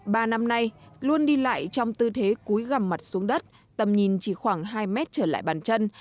ba năm nay luôn đi lại trong tư thế cúi gầm mặt xuống đất tầm nhìn chỉ khoảng hai mét trở lại bàn chân